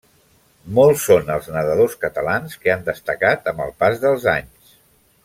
Molts són els nedadors catalans que han destacat amb el pas dels anys.